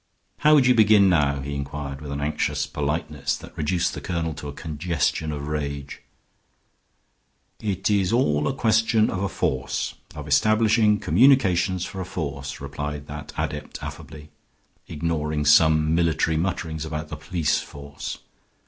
"How would you begin now?" he inquired, with an anxious politeness that reduced the colonel to a congestion of rage. "It is all a question of a force; of establishing communications for a force," replied that adept, affably, ignoring some military mutterings about the police force.